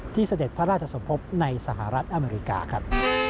เสด็จพระราชสมภพในสหรัฐอเมริกาครับ